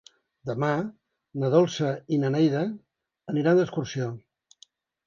Demà na Dolça i na Neida aniran d'excursió.